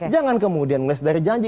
jangan kemudian meleset dari janji